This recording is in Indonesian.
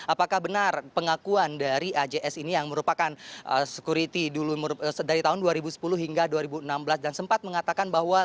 apakah benar pengakuan dari ajs ini yang merupakan security dari tahun dua ribu sepuluh hingga dua ribu enam belas dan sempat mengatakan bahwa